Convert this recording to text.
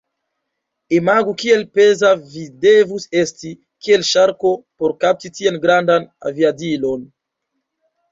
Imagu kiel peza vi devus esti, kiel ŝarko, por kapti tian grandan aviadilon.